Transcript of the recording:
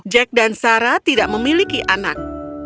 jack dan sarah tidak memiliki anak